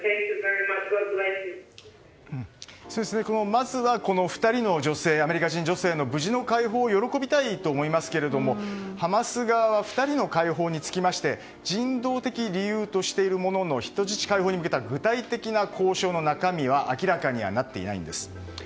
まずは、この２人のアメリカ人女性の無事の解放を喜びたいと思いますけれどもハマス側は２人の解放につきまして人道的理由としているものの人質解放に向けた具体的な交渉の中身は明らかにはなっていないんです。